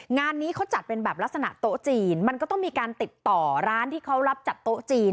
งานนี้เขาจัดเป็นแบบลักษณะโต๊ะจีนมันก็ต้องมีการติดต่อร้านที่เขารับจัดโต๊ะจีน